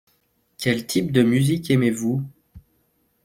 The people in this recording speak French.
Quel type de musique aimez-vous ?